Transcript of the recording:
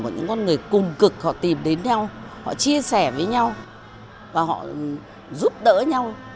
những con người cùng cực họ tìm đến nhau họ chia sẻ với nhau và họ giúp đỡ nhau